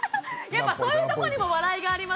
やっぱそういうとこにも笑いがありますね。